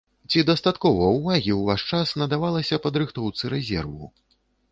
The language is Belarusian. Ці дастаткова ўвагі ў ваш час надавалася падрыхтоўцы рэзерву?